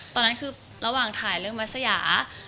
ตอนนั้นคือระหว่างถ่ายเรื่องมัสยา